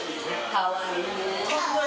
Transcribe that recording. かわいい。